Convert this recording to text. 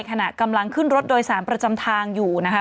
ขณะกำลังขึ้นรถโดยสารประจำทางอยู่นะคะ